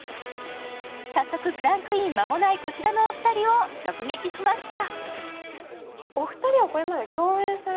早速クランクイン間もない、こちらのお二人を直撃しました。